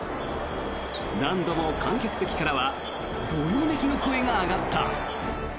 何度も観客席からはどよめきの声が上がった。